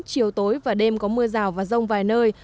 chiều tối và đêm có mưa rào và rông vài nơi